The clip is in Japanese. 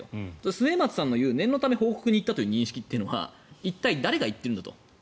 末松さんの念のため報告に行ったという認識というのは一体、誰が言っているのと。